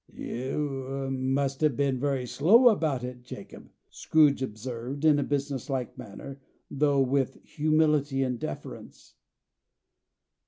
"You must have been very slow about it, Jacob," Scrooge observed, in a business like manner, though with humility and deference.